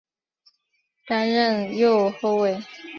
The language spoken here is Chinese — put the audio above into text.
担任右后卫。